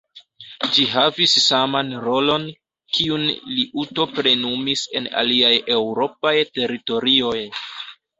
Ĝi havis saman rolon kiun liuto plenumis en aliaj eŭropaj teritorioj.